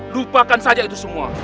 lupakan saja itu semua